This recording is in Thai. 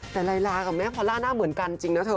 แต่ลายลากับแม่พอล่าหน้าเหมือนกันจริงนะเธอ